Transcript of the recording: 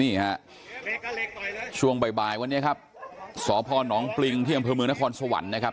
นี่ฮะช่วงบ่ายวันนี้ครับสพนปริงที่อำเภอเมืองนครสวรรค์นะครับ